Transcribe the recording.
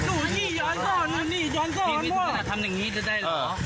โอ้ยนี่ย้อนสอนนี่ย้อนสอนพี่พี่ทำแบบนี้จะได้เหรอ